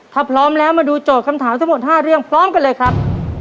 ถ้าพร้อมแล้วมาดูโจทย์คำถามทั้งหมด๕เรื่องพร้อมกันเลยครับ